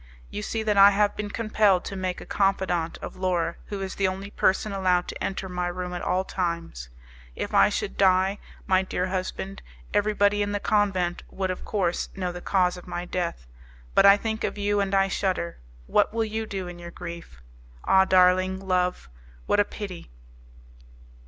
You see that I have been compelled to make a confidante of Laura, who is the only person allowed to enter my room at all times. If I should die, my dear husband, everybody in the convent would, of course, know the cause of my death; but I think of you, and I shudder. What will you do in your grief? Ah, darling love! what a pity!"